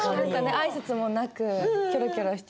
挨拶もなくキョロキョロしちゃってね。